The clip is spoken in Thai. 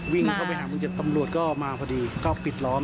วิ่งเข้าไปหามึงเจ็บตำรวจก็มาพอดีก็ปิดล้อม